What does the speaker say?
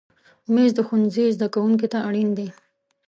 مېز د ښوونځي زده کوونکي ته اړین دی.